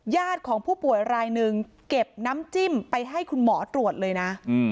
ของผู้ป่วยรายหนึ่งเก็บน้ำจิ้มไปให้คุณหมอตรวจเลยนะ